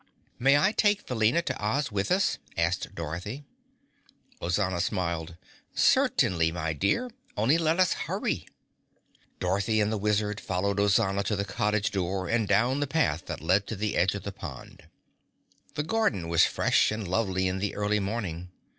"May I take Felina to Oz with us?" asked Dorothy. Ozana smiled. "Certainly, my dear. Only let us hurry." Dorothy and the Wizard followed Ozana to the cottage door and down the path that led to the edge of the pond. The garden was fresh and lovely in the early morning.